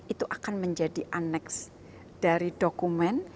itu akan menjadi aneks dari dokumen